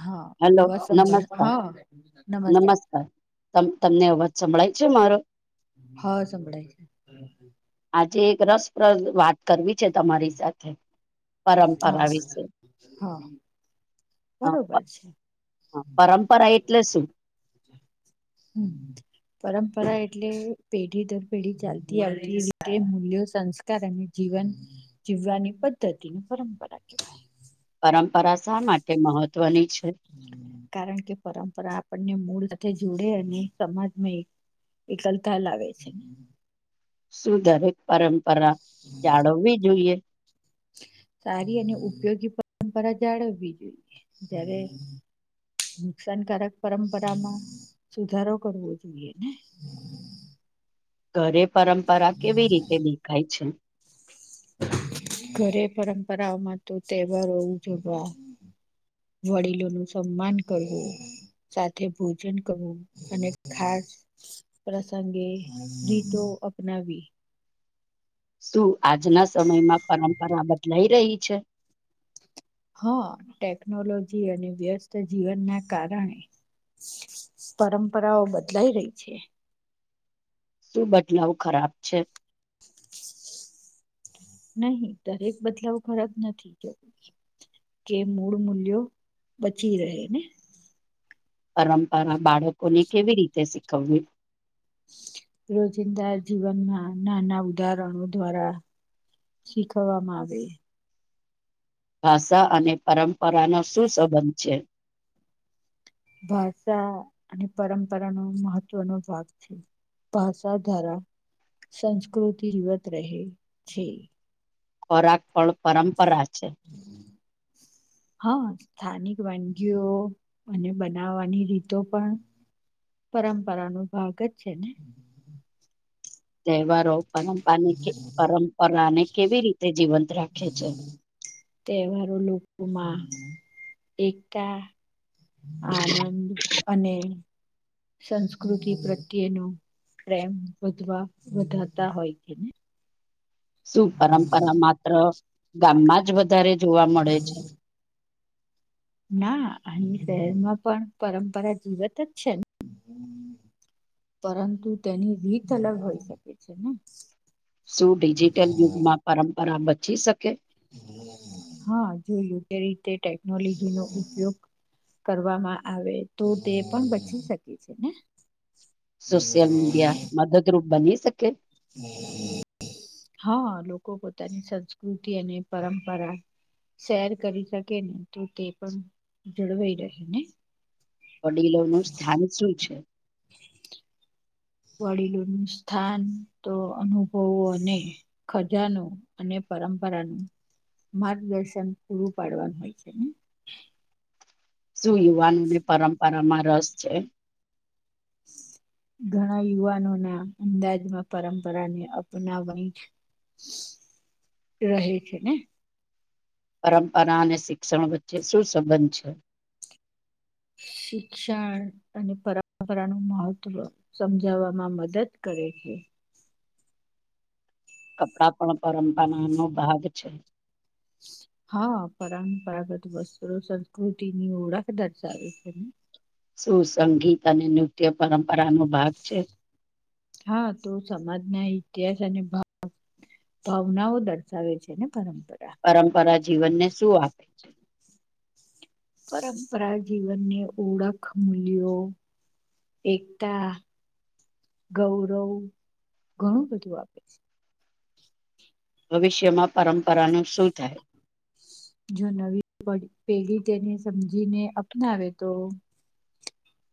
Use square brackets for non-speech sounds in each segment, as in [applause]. હા હલો અવાજ સંભળ નમસ્કાર હા નમસ્કાર તમને અવાજ સંભળાય છે મારો હા સંભળાય છે આજે એક રસપ્રદ વાત કરવી છે તમારી સાથે હા પરંપરા વિશે હા બરોબર છે હા પરંપરા એટલે શું હમ પરંપરા એટલે પેઢી દર પેઢી ચાલતી આવતી રીતે મૂલ્યો સંસ્કાર અને જીવન જીવવાની પદ્ધતિની પરંપરા કહેવાય પરંપરા શા માટે મહત્વની છે કારણ કે પરંપરા આપણને મૂળ સાથે જોડે અને સમાજમાં એક એકલતા લાવે છે શું દરેક પરંપરા જાળવવી જોઈએ સારી અને ઉપયોગી પરંપરા જાળવવી જોઈએ જ્યારે નુકસાનકારક પરંપરામાં સુધારો કરવો જોઈએ ને ઘરે પરંપરા કેવી રીતે દેખાય છે ઘરે પરંપરાઓમાં તો તહેવારો ઉજવા વડીલો નું સન્માન કરવું સાથે ભોજન કરવું અને ખાસ પ્રસંગે ગીતો અપનાવી શું આજના સમયમાં પરંપરા બદલાઈ રહી છે હા ટેકનોલોજી અને વ્યસ્ત જીવનના કારણે પરંપરાઓ બદલાઈ રહી છે શું બદલાવ ખરાબ છે નહી દરેક બદલાવ ખરા જ નથી કે કે મૂળ મૂલ્યો બચી રહે ને પરંપરા બાળકોને કેવી રીતે શીખવવી રોજિંદા જીવનમાં નાના ઉદાહરણો દ્વારા શીખવવામાં આવે ભાષા અને પરંપરાનો સુ સંબંધ છે ભાષા અને પરંપરાનો મહત્વનો ભાગ છે ભાષા ધારા સંસ્કૃતિ જવત રહે છે ખોરાક ફળ પરંપરા છે હા સ્થાનિક વાનગીઓ અને બનાવવાની રીતો પણ પરંપરાનો ભાગ જ છે ને તહેવારો પરંપને પરંપરાને કેવી રીતે જીવંત રાખે છે તહેવારો લોકોમાં એકતા આનંદ અને સંસ્કૃતિ પ્રત્યેનો પ્રેમ વધવા વધાતા હોય છે ને શું પરંપરા માત્ર ગામમાં જ વધારે જોવા મળે છે ના અની શહેરમાં પણ પરંપરા જીવત જ છે ને પરંતુ તેની રીત અલગ હોઈ શકે છે ને શું ડિજિટલ યુગમાં પરંપરા બચી શકે હા જોયું તે રીતે ટેકનોલોજી નો ઉપયોગ કરવામાં આવે તો તે પણ બચી શકે છે ને સોશિયલ મીડિયા મદદરૂપ બની શકે હમ હા લોકો પોતાની સંસ્કૃતિ અને પરંપરા શેર કરી શકે ને તો તે પણ જળવાઈ રહે ને વડીલોનું સ્થાન શું છે વડીલો નું સ્થાન તો અનુભવો અને ખજાનો અને પર પરા નું માર્ગદર્શન પૂરું પાડવાનું હોય છે શું યુવાનોને પરંપરામાં રસ છે ઘણા યુવાનો ના અંદાજમાં પરંપરાને અપનાવાની છે રહે છે ને પરંપરા અને શિક્ષણ વચ્ચે શું સંબંધ છે શિક્ષણ અને પરંપરા નું મહત્વ સમજાવવામાં મદદ કરે છે કપડાં પણ પરંપરાનાનો ભાગ છે હા પરંપરાગત વસ્ત્રો સંસ્કૃતિની ઓળખ દર્શાવે છે ને સુસંગીત અને નૃત્ય પરંપરા હા તો સમાજ ના ઇતિહાસ ભાવનાઓ દર્શાવે છે ને પરંપરા પરંપરા જીવનને શું આપે છે પરંપરા જીવનને ઓળખ મૂલ્યો એકતા ગૌરવ ઘણું બધું આપે છે ભવિષ્યમાં પરંપરાનું શું થાય જો નવી પેઢી તેને સમજીને અપનાવે તો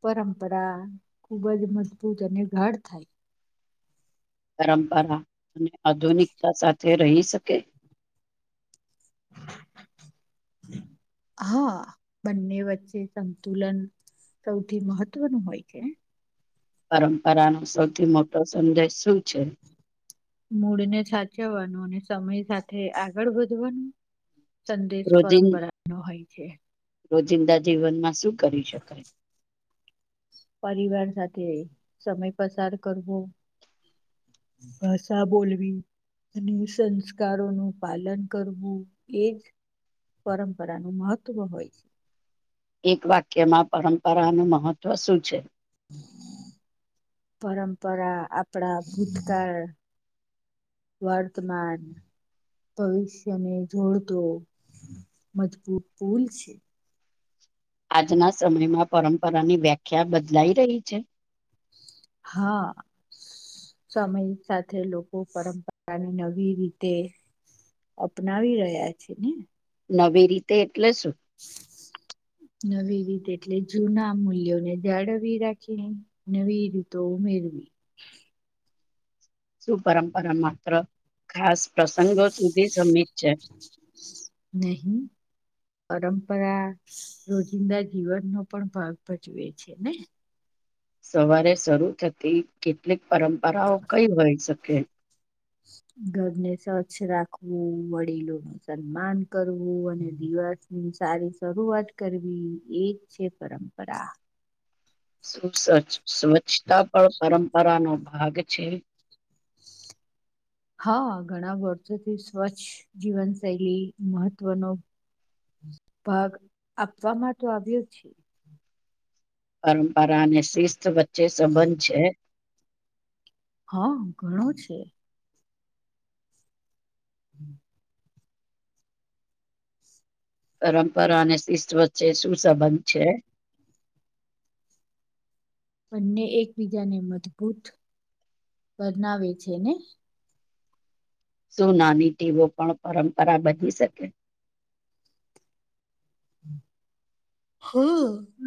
પરંપરા ખુબ જ મજબૂત અને ગઢ થાય પરંપરા અને આધુનિકતા સાથે રહી શકે હા બંને વચ્ચે સંતુલન સૌથી મહત્વનું હોય કે પરંપરાનો સૌથી મોટો સંદેશ શું છે મૂળને સાચવવાનું અને સમય સાથે આગળ વધવાનું સંદેશ રોજિન પરંપરા નો હોય છે રોજિંદા જીવનમાં શું કરી શકાય પરિવાર સાથે સમય પસાર કરવો ભાષા બોલવી અને સંસ્કારોનું પાલન કરવું એજ પરંપરાનું મહત્ત્વ હોય છે એક વાક્યમાં પરંપરાનું મહત્વ શું છે પરંપરા આપણા ભૂતકાળ વર્તમાન ભવિષ્યને જોડતો મજબૂત પુલ છે આજના સમયમાં પરંપરાની વ્યાખ્યા બદલાઈ રહી છે હા સમયની સાથે લોકો પરંપરાની નવી રીતે અપનાવી રહ્યા છે ને નવી રીતે એટલે શું નવી રીતે એટલે જૂના મૂલ્યોને જાળવી રાખી નવી રીતો ઉમેરવી સુું પરંપરા માત્ર ખાસ પ્રસંગો સુધી સમ નહીં પરંપરા રોજિંદા જીવનનો પણ ભાગ ભજવે છે ને સવારે શરૂ થતી કેટલીક પરંપરાઓ કઈ હોઈ શકે ઘરને સ્વચ્છ રાખવું વડીલો નું સન્માન કરવું અને દિવસ સારી શરૂઆત કરવી એજ છે પરંપરા સુ સ્વચ્છતા પણ પરંપરાનો ભાગ છે હા ઘણા વર્ષોથી સ્વચ્છ જીવનશૈલી મહત્વનો ભાગ આપવાવામાં તો આવ્યો છે પરંપરાને શિસ્ત વચ્ચે સંબંધ છે હા ઘણો છે હમ્મ પરંપરા અને શિસ્ત વચ્ચે સુું સંંબંધ છે બંને એકબીજાને મજબૂત બનાવે છે ને શું નાની ટીવો પણ પરંપરા બની શકે હ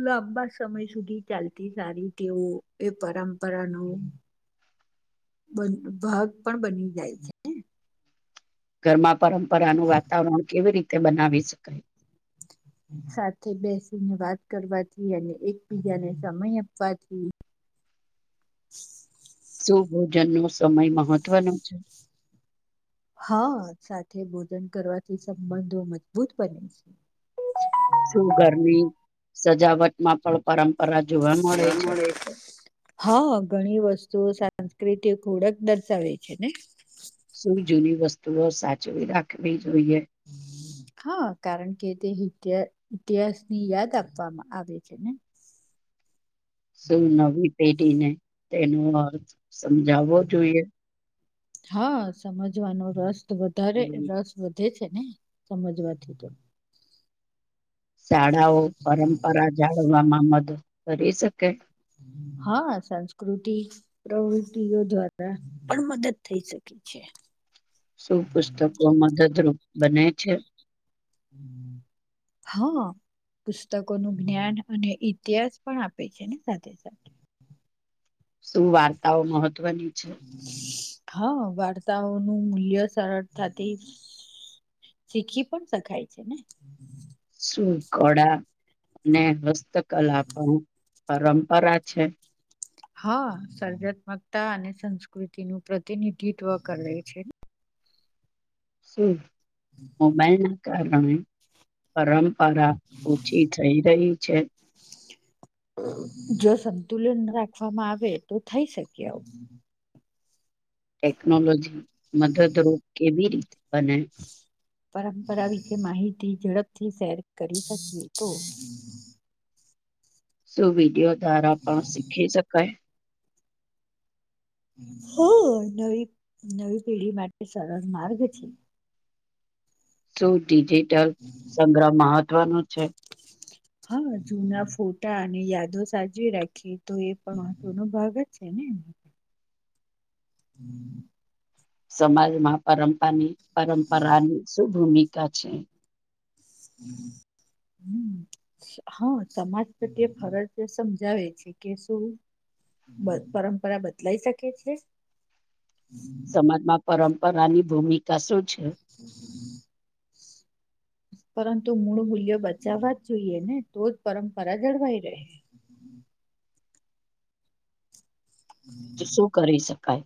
લાંબા સમય સુધી ચાલતી સારી ટેવ એ પરંપરા ન ઓમ. બન ભાગ પણ બની જાય છે ને. ઘરમાં પરંપરાનું વાતાવરણ કેવી રીતે બનાવી શકાય? સાથે બેસીને વાત કરવાથી અને એકબીજાને સમય આપવાથી. શું ભોજનનો સમય મહત્વનો છે? હા સાથે ભોજન કરવાથી સંબંધો મજબૂત બને છે. શું ઘરની સજાવટમાં પણ પરંમ હા ઘણી વસ્તુઓ સાથ સાસ્કૃતિક ઓડક દર્શાવે છે ને. થોડો સાચવી રાખવી જોઈએ. હા, કારણ કે તે તિ ઇતિહાસ ની યાદ આપવામાં આવે છે ને. શું નવી પેઢીને તેનો અર્થ સમજાવવો જોઈએ? હા, સમજવાનો રસ વધારે હમ રસ વધે જ છે ને સમજવાથી તો. શાળાઓ પરંપરા જાળવવામાં મદદ કરી શકે? હા, સાંસ્કૃતિક પ્રવૃતિઓ દ્વારા પણ મદદ થઈ શકે છે. શું પુસ્તકો મદદરૂપ બને છે? હા પુસ્તકોનું જ્ઞાન અને ઇતિહાસ પણ આપે છે ને સાથે સાથે. શું વાર્તાઓ મહત્વની છે? હા, વાર્તાઓ નું મૂલ્ય સરળતાતી શીખી પણ શખાય છે ને? શું કળા અને હસ્તકલા પણ પરંપરા છે? હા, સર્જાત્મકતા અને સંસ્કૃતિ નું પ્રતિનિધિત્વ કરે છે. શું મોબાઈલ ના કારણે પરમ પરા ઓછી થઈ રહી છે? જો સંતુલન રાખવામાં આવે તો થઈ શકે આવ. ટેકનોલોજી મદદરૂપ કેવી રીત બને? પરંપરા વિશે માહિતી ઝડપથી શેર કરી શકીએ તો. શું વિડિયો દ્વારા પણ શીખી શકાય? [unintelligible] નવી પેઢી માટે સરળ માર્ગ છે. શું ડિજિટલ સંગ્રહ મહત્વનું છે? હા, જૂના ફોટા અને યાદો સાજવી રાખીએ તો એ પણ મહત્વ નો ભાગ જ છે ને. [inaudible] [unintelligible] સમાજમાં પરંપરાની પરંપરાની શું ભૂમિકા છે? હમ્મ. હા સમાજ પ્રત્યે ફરજ સમજાવે છે કે શું પરંપરા બદલાઈ શકે છે? સમાજમાં પરંપરાની ભૂમિકા શું છે? હ પરંતુ મૂળ મૂલ્યો બચાવવા જ જોઈએ ને તો જ પરંપરા જળવાઈ રહે. [inaudible] શું કરી શકાય?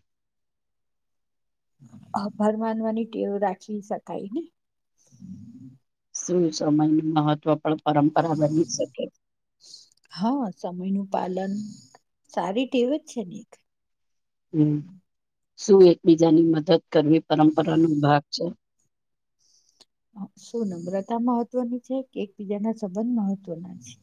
આભર માનવાની ટેવ રાખી શકાય ને. શું સમયની મહત્વ પણ પરંપરા બની શકે? હા સમયનું પાલન સારી ટેવ જ છે ને એક. હમ શું એકબીજાની મદદ કરવી પરંપરા નો ભાગ છે શું નમ્રતા મહત્વની છે એકબીજા ના સંબંધ મહત્વના છે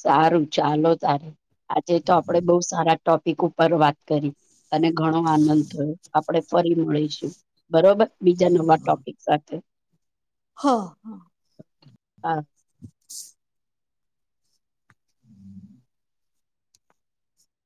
સારું ચાલો તારે આજે તો આપડે બહ સારા ટોપિક ઉપર વાત કરી અને ઘણો આનંદ થયો આપણે ફરી મળીશું બરોબર બીજા નવા ટોપિક સાથે હા હા હા [inaudible]